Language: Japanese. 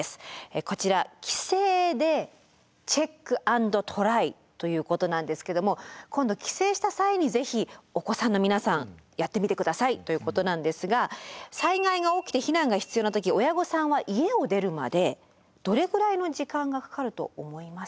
こちら帰省でチェック＆トライということなんですけども今度帰省した際にぜひお子さんの皆さんやってみて下さいということなんですが災害が起きて避難が必要な時親御さんは家を出るまでどれぐらいの時間がかかると思いますか？